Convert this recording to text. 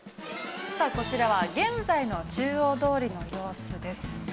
さあこちらは現在の中央通りの様子です。